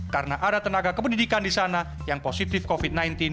karena ada tenaga kependidikan di sana yang positif covid sembilan belas